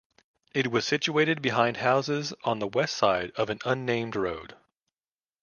It was situated behind houses on the west side of an unnamed road.